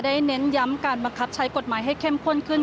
เน้นย้ำการบังคับใช้กฎหมายให้เข้มข้นขึ้น